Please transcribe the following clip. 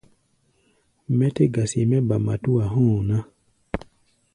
Mɛ́ tɛ́ gasi mɛ́ ba matúa hɔ̧́ɔ̧ ná.